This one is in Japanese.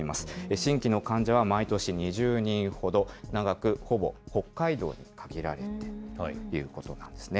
新規の患者は毎年２０人ほど、長く、ほぼ北海道に限られているということなんですね。